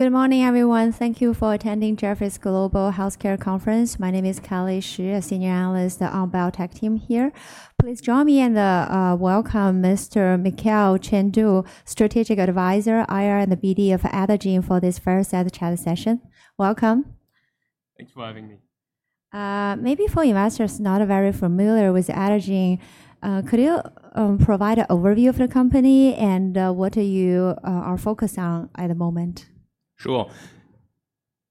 Good morning, everyone. Thank you for attending Jefferies Global Healthcare Conference. My name is Kelly Shi, a senior analyst on the biotech team here. Please join me in the welcome Mr. Mickael Chane-Du, Strategic Advisor, IR and the BD of Adagene for this first chat session. Welcome. Thanks for having me. Maybe for investors not very familiar with Adagene, could you provide an overview of the company and what you are focused on at the moment? Sure.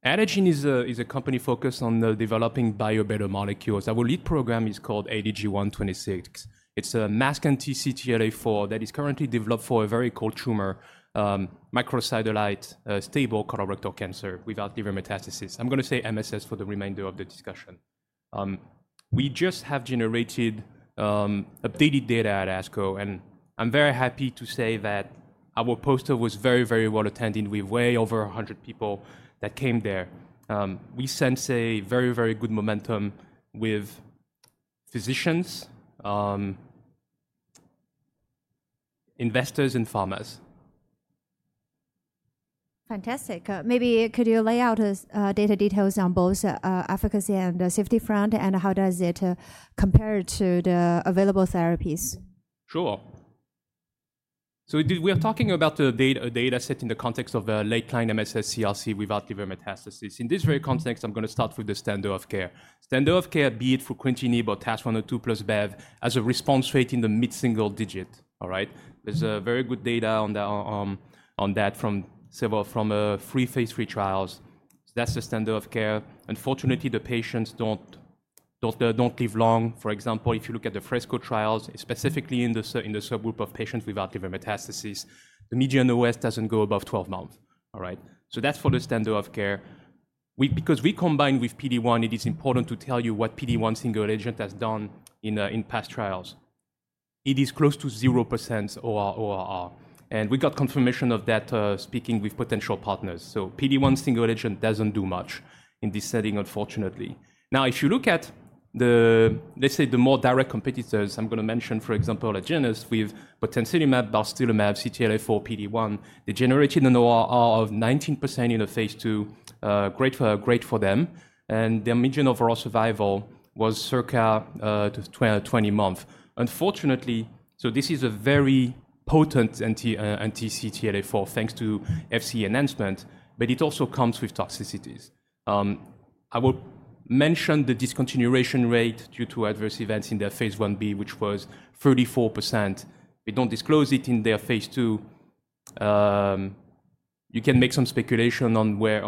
Adagene is a company focused on developing biobetamolecules. Our lead program is called ADG126. It's a masked anti-CTLA-4 that is currently developed for a very cold tumor, microsatellite stable colorectal cancer without liver metastasis. I'm going to say MSS for the remainder of the discussion. We just have generated updated data at ASCO, and I'm very happy to say that our poster was very, very well attended with way over 100 people that came there. We sense a very, very good momentum with physicians, investors, and pharma. Fantastic. Maybe could you lay out data details on both efficacy and safety front, and how does it compare to the available therapies? Sure. We are talking about the data set in the context of a late-line MSS CRC without liver metastasis. In this very context, I'm going to start with the standard of care. Standard of care, be it for fruquintinib or TAS-102 plus BEV, has a response rate in the mid-single digit. All right. There is very good data on that from several phase III trials. That is the standard of care. Unfortunately, the patients do not live long. For example, if you look at the FRESCO trials, specifically in the subgroup of patients without liver metastasis, the median OS does not go above 12 months. All right. That is for the standard of care. Because we combine with PD-1, it is important to tell you what PD-1 single agent has done in past trials. It is close to 0% ORR, and we got confirmation of that speaking with potential partners. PD-1 single agent does not do much in this setting, unfortunately. Now, if you look at the, let's say, the more direct competitors, I am going to mention, for example, Agenus with Botensimab, Balstilimab, CTLA-4, PD-1, they generated an ORR of 19% in the phase II, great for them, and their median overall survival was circa 20 months. Unfortunately, this is a very potent anti-CTLA-4 thanks to Fc enhancement, but it also comes with toxicities. I will mention the discontinuation rate due to adverse events in their phase Ib, which was 34%. They do not disclose it in their phase II. You can make some speculation on where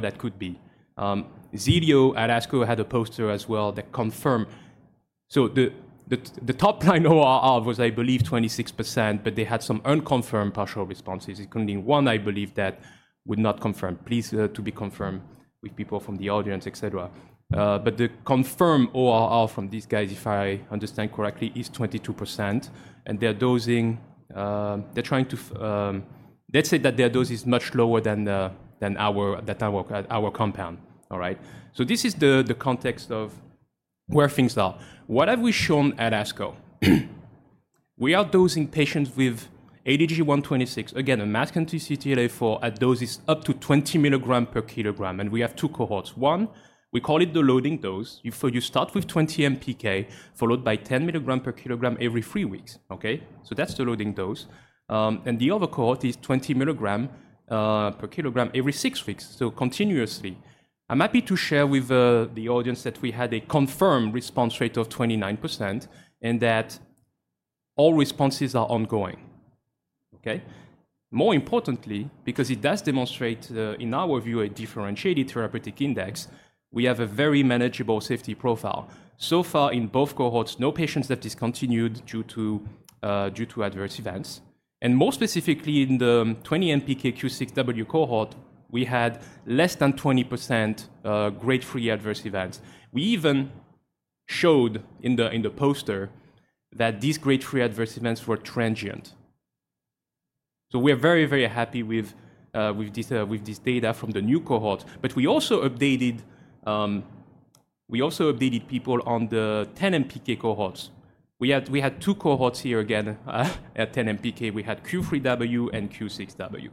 that could be. Xilio Therapeutics at ASCO had a poster as well that confirmed. The top line ORR was, I believe, 26%, but they had some unconfirmed partial responses. It could be one, I believe, that would not confirm. Please to be confirmed with people from the audience, etc. But the confirmed ORR from these guys, if I understand correctly, is 22%, and they're dosing, they're trying to, let's say that their dose is much lower than our compound. All right. This is the context of where things are. What have we shown at ASCO? We are dosing patients with ADG126, again, a masked anti-CTLA-4 at doses up to 20 mg per kg, and we have two cohorts. One, we call it the loading dose. You start with 20 mg per kg followed by 10 mg per kg every three weeks. Okay. That's the loading dose. The other cohort is 20 mg per kg every six weeks. So continuously. I'm happy to share with the audience that we had a confirmed response rate of 29% and that all responses are ongoing. Okay. More importantly, because it does demonstrate in our view a differentiated therapeutic index, we have a very manageable safety profile. So far in both cohorts, no patients have discontinued due to adverse events. More specifically in the 20 mpk Q6W cohort, we had less than 20% grade 3 adverse events. We even showed in the poster that these grade 3 adverse events were transient. We are very, very happy with this data from the new cohort, but we also updated, we also updated people on the 10 mpk cohorts. We had two cohorts here again at 10 mpk. We had Q3W and Q6W.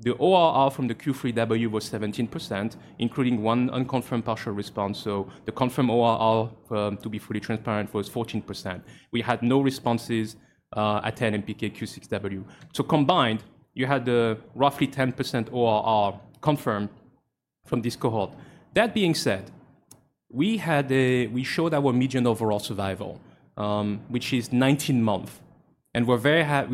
The ORR from the Q3W was 17%, including one unconfirmed partial response. The confirmed ORR, to be fully transparent, was 14%. We had no responses at 10 mpk Q6W. Combined, you had roughly 10% ORR confirmed from this cohort. That being said, we showed our median overall survival, which is 19 months, and we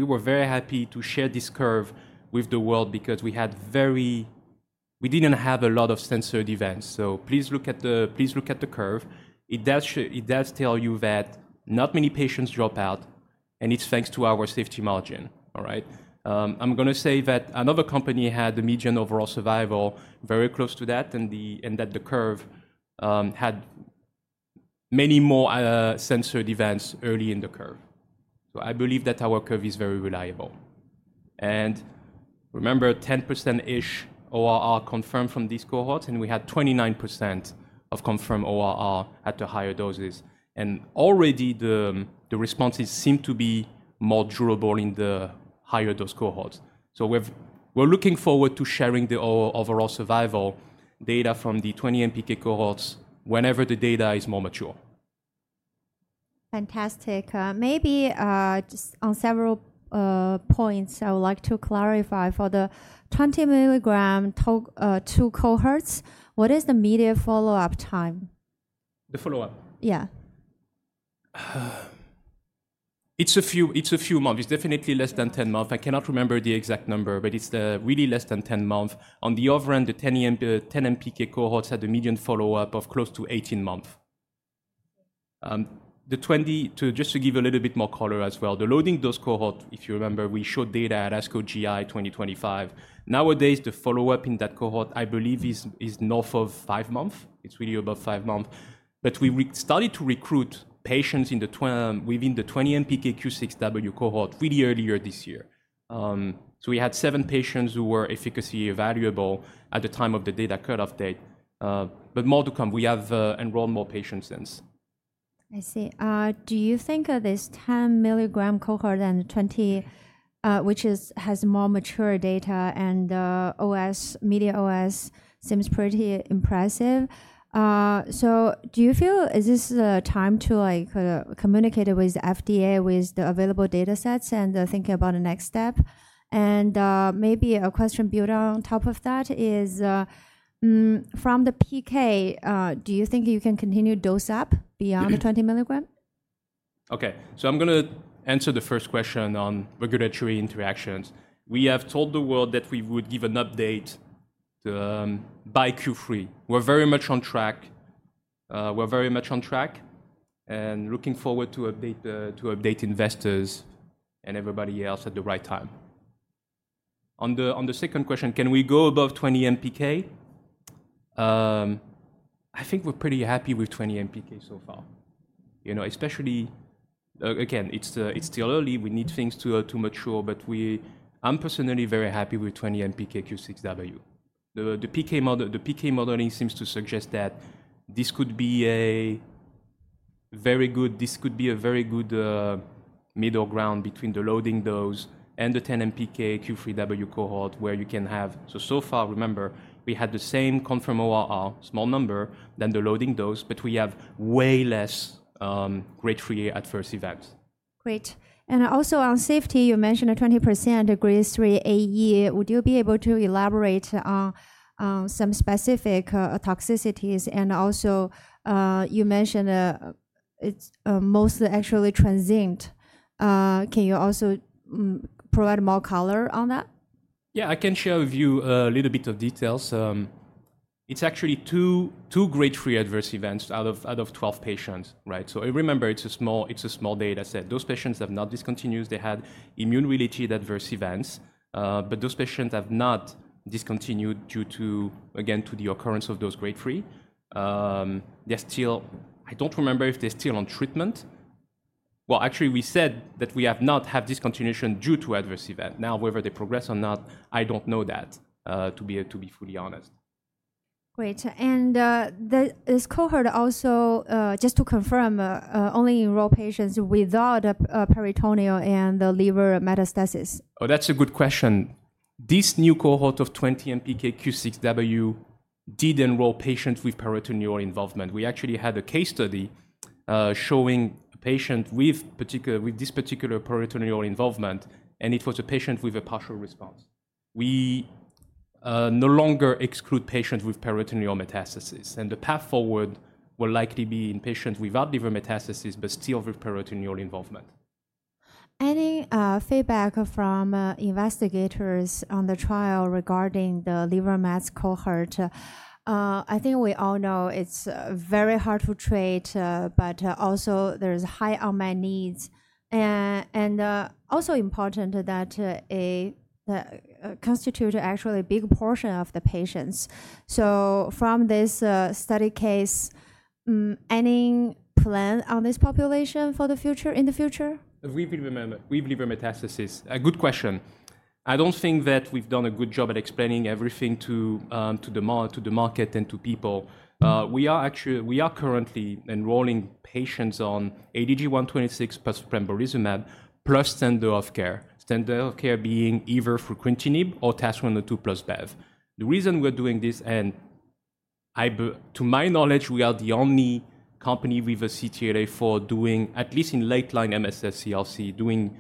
were very happy to share this curve with the world because we had very, we did not have a lot of sensored events. Please look at the curve. It does tell you that not many patients drop out, and it is thanks to our safety margin. All right. I am going to say that another company had a median overall survival very close to that, and that the curve had many more sensored events early in the curve. I believe that our curve is very reliable. Remember, 10%-ish ORR confirmed from these cohorts, and we had 29% of confirmed ORR at the higher doses. Already the responses seem to be more durable in the higher dose cohorts. We're looking forward to sharing the overall survival data from the 20 mpk cohorts whenever the data is more mature. Fantastic. Maybe just on several points, I would like to clarify for the 20 mg two cohorts, what is the median follow-up time? The follow-up? Yeah. It's a few months. It's definitely less than 10 months. I cannot remember the exact number, but it's really less than 10 months. On the other end, the 10 mpk cohorts had a median follow-up of close to 18 months. Just to give a little bit more color as well, the loading dose cohort, if you remember, we showed data at ASCO GI 2025. Nowadays, the follow-up in that cohort, I believe, is north of five months. It's really above five months. We started to recruit patients within the 20 mpk Q6W cohort really earlier this year. We had seven patients who were efficacy evaluable at the time of the data cut-off date, but more to come. We have enrolled more patients since. I see. Do you think of this 10 mg cohort and 20, which has more mature data and OS, median OS, seems pretty impressive? Do you feel is this time to communicate with the FDA with the available data sets and think about the next step? Maybe a question built on top of that is from the PK, do you think you can continue dose up beyond the 20 mg? Okay. I'm going to answer the first question on regulatory interactions. We have told the world that we would give an update by Q3. We're very much on track. We're very much on track and looking forward to update investors and everybody else at the right time. On the second question, can we go above 20 mpk? I think we're pretty happy with 20 mpk so far, especially, again, it's still early. We need things to mature, but I'm personally very happy with 20 mpk Q6W. The PK modeling seems to suggest that this could be a very good, this could be a very good middle ground between the loading dose and the 10 mpk Q3W cohort where you can have, so far, remember, we had the same confirmed ORR, small number, than the loading dose, but we have way less grade 3 adverse events. Great. Also on safety, you mentioned a 20% grade 3 a year. Would you be able to elaborate on some specific toxicities? You mentioned it's mostly actually transient. Can you also provide more color on that? Yeah, I can share with you a little bit of details. It's actually two grade 3 adverse events out of 12 patients. Right. So remember, it's a small data set. Those patients have not discontinued. They had immune-related adverse events, but those patients have not discontinued due to, again, to the occurrence of those grade 3. They're still, I don't remember if they're still on treatment. Actually, we said that we have not had discontinuation due to adverse event. Now, whether they progress or not, I don't know that, to be fully honest. Great. This cohort also, just to confirm, only enroll patients without peritoneal and liver metastasis. Oh, that's a good question. This new cohort of 20 mpk Q6W did enroll patients with peritoneal involvement. We actually had a case study showing a patient with this particular peritoneal involvement, and it was a patient with a partial response. We no longer exclude patients with peritoneal metastasis, and the path forward will likely be in patients without liver metastasis, but still with peritoneal involvement. Any feedback from investigators on the trial regarding the liver metastasis cohort? I think we all know it's very hard to treat, but also there's high unmet needs. It is also important that it constitutes actually a big portion of the patients. From this study case, any plan on this population for the future? We believe in metastasis. A good question. I don't think that we've done a good job at explaining everything to the market and to people. We are currently enrolling patients on ADG126 plus pembrolizumab plus standard of care. Standard of care being either for fruquintinib or TAS-102 plus BEV. The reason we're doing this, and to my knowledge, we are the only company with a CTLA-4 doing, at least in late-line MSS CRC, doing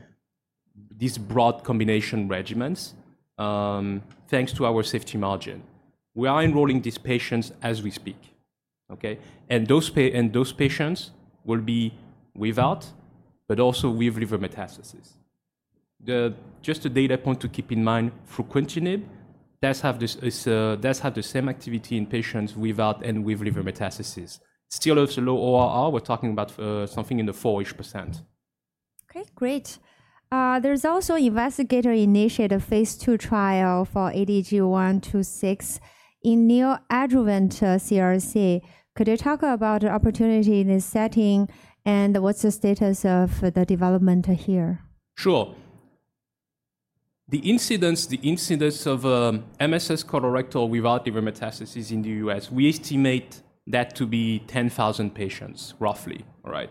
these broad combination regimens thanks to our safety margin. We are enrolling these patients as we speak. Okay. Those patients will be without, but also with liver metastasis. Just a data point to keep in mind, for fruquintinib, that's had the same activity in patients without and with liver metastasis. Still has a low ORR. We're talking about something in the 4%. Okay. Great. There's also investigator-initiated phase II trial for ADG126 in neoadjuvant CRC. Could you talk about the opportunity in this setting and what's the status of the development here? Sure. The incidence of MSS colorectal without liver metastasis in the U.S., we estimate that to be 10,000 patients roughly. All right.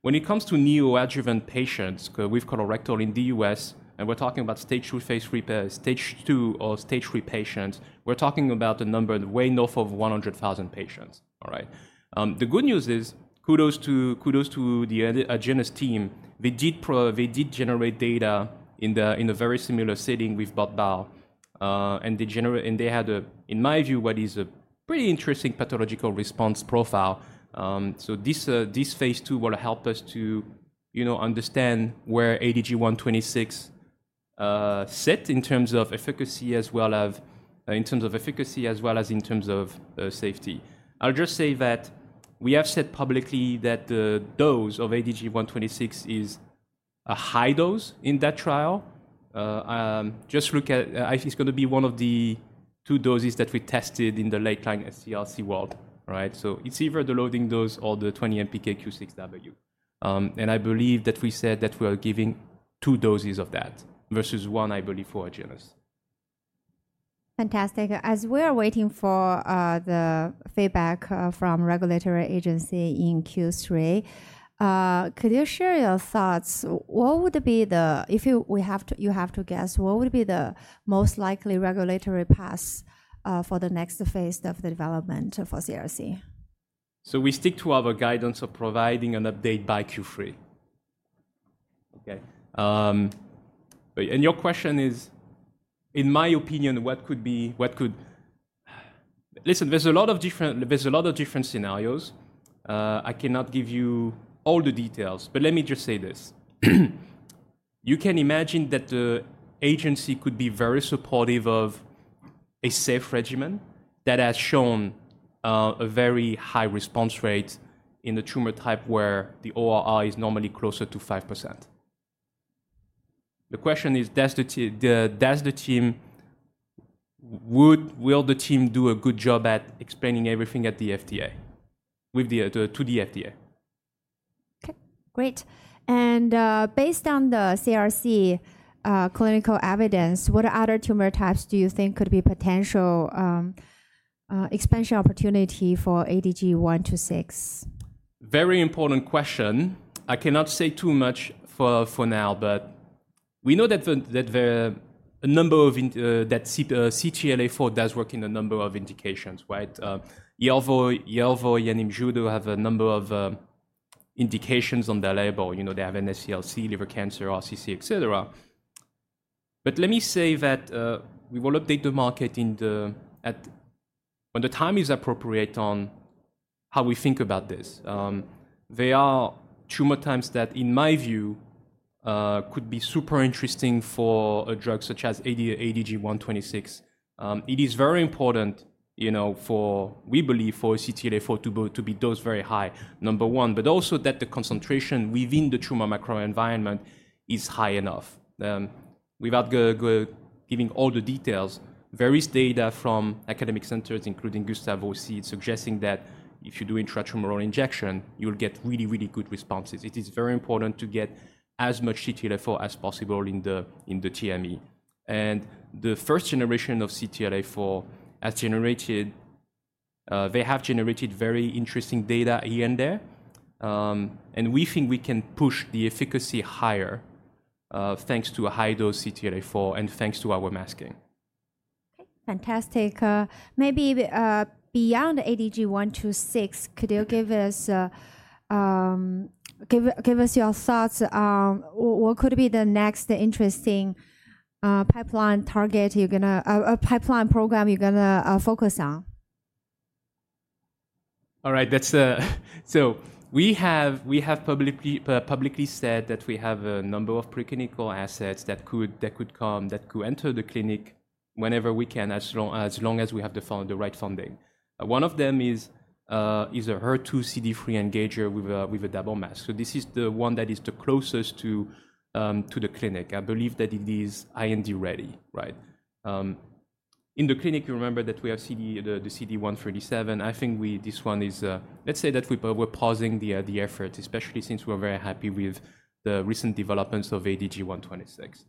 When it comes to neoadjuvant patients with colorectal in the U.S., and we're talking about stage two, phase three, stage two or stage three patients, we're talking about a number way north of 100,000 patients. All right. The good news is, kudos to the Agenus team. They did generate data in a very similar setting with Botensimab, and they had, in my view, what is a pretty interesting pathological response profile. This phase II will help us to understand where ADG126 sits in terms of efficacy as well as in terms of efficacy as well as in terms of safety. I'll just say that we have said publicly that the dose of ADG126 is a high dose in that trial. Just look at, it's going to be one of the two doses that we tested in the late-line CRC world. Right. So it's either the loading dose or the 20 mpk Q6W. And I believe that we said that we are giving two doses of that versus one, I believe, for Agenus. Fantastic. As we are waiting for the feedback from regulatory agency in Q3, could you share your thoughts? What would be the, if you have to guess, what would be the most likely regulatory path for the next phase of the development for CRC? We stick to our guidance of providing an update by Q3. Okay. Your question is, in my opinion, what could be, listen, there are a lot of different scenarios. I cannot give you all the details, but let me just say this. You can imagine that the agency could be very supportive of a safe regimen that has shown a very high response rate in the tumor type where the ORR is normally closer to 5%. The question is, does the team, will the team do a good job at explaining everything at the FDA to the FDA? Okay. Great. Based on the CRC clinical evidence, what other tumor types do you think could be potential expansion opportunity for ADG126? Very important question. I cannot say too much for now, but we know that CTLA-4 does work in a number of indications. Right. Yervoy, Opdivo, Keytruda have a number of indications on their label. They have NSCLC, liver cancer, RCC, et cetera. Let me say that we will update the market when the time is appropriate on how we think about this. There are tumor types that, in my view, could be super interesting for a drug such as ADG126. It is very important for, we believe, for CTLA-4 to be dosed very high, number one, but also that the concentration within the tumor microenvironment is high enough. Without giving all the details, various data from academic centers, including Gustave Roussy, suggesting that if you do intratumoral injection, you'll get really, really good responses. It is very important to get as much CTLA-4 as possible in the TME. The first generation of CTLA-4 has generated, they have generated very interesting data here and there. We think we can push the efficacy higher thanks to a high-dose CTLA-4 and thanks to our masking. Okay. Fantastic. Maybe beyond ADG126, could you give us your thoughts on what could be the next interesting pipeline target, a pipeline program you're going to focus on? All right. We have publicly said that we have a number of preclinical assets that could come, that could enter the clinic whenever we can, as long as we have the right funding. One of them is a HER2 CD3 engager with a double mask. This is the one that is the closest to the clinic. I believe that it is IND ready. Right. In the clinic, you remember that we have the CD137. I think this one is, let's say that we're pausing the effort, especially since we're very happy with the recent developments of ADG126.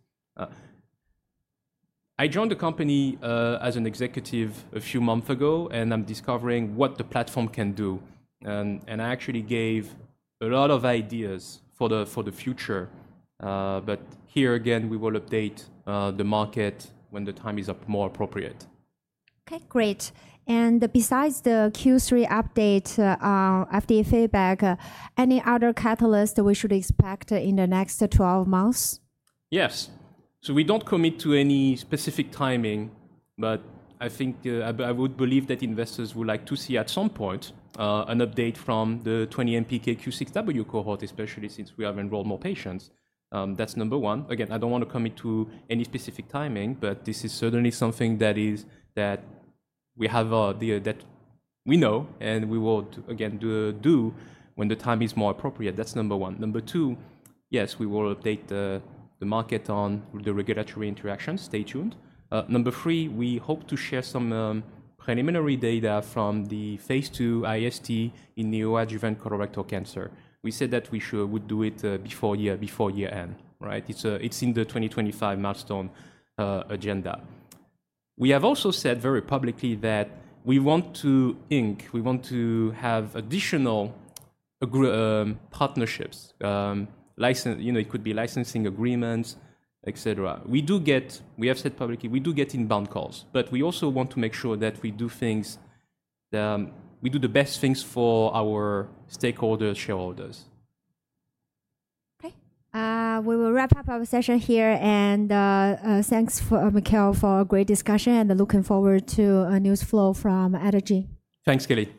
I joined the company as an executive a few months ago, and I'm discovering what the platform can do. I actually gave a lot of ideas for the future. Here again, we will update the market when the time is more appropriate. Okay. Great. Besides the Q3 update, FDA feedback, any other catalysts that we should expect in the next 12 months? Yes. We do not commit to any specific timing, but I think I would believe that investors would like to see at some point an update from the 20 mpk Q6W cohort, especially since we have enrolled more patients. That is number one. Again, I do not want to commit to any specific timing, but this is certainly something that we know and we will, again, do when the time is more appropriate. That is number one. Number two, yes, we will update the market on the regulatory interactions. Stay tuned. Number three, we hope to share some preliminary data from the phase II IST in neoadjuvant colorectal cancer. We said that we would do it before year end. Right. It is in the 2025 milestone agenda. We have also said very publicly that we want to, we want to have additional partnerships. It could be licensing agreements, et cetera. We have said publicly, we do get inbound calls, but we also want to make sure that we do things, we do the best things for our stakeholders, shareholders. Okay. We will wrap up our session here. Thanks, Mickael, for a great discussion and looking forward to a news flow from Adagene. Thanks, Kelly.